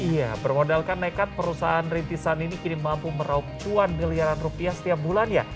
iya bermodalkan nekat perusahaan rintisan ini kini mampu meraup cuan miliaran rupiah setiap bulannya